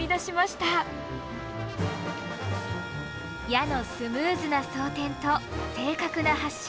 矢のスムーズな装填と正確な発射。